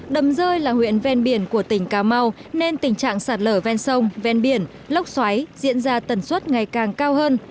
đầm rơi là huyện ven biển của tỉnh cà mau nên tình trạng sạt lở ven sông ven biển lốc xoáy diễn ra tần suất ngày càng cao hơn